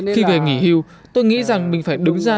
khi về nghỉ hưu tôi nghĩ rằng mình phải đứng ra